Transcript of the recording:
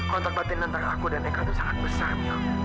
kontak batin antara aku dan eka itu sangat besar